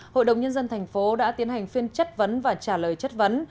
hội đồng nhân dân thành phố đã tiến hành phiên chất vấn và trả lời chất vấn